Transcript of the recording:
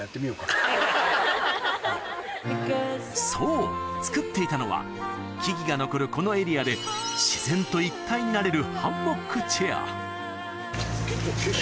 そう作っていたのは木々が残るこのエリアで絶対になる。